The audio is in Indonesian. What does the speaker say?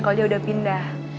kalo dia udah pindah